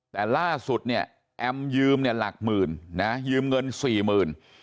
แต่ล่าสุดเนี่ยแอมยืมเนี่ยหลักหมื่นนะยืมเงินสี่หมื่น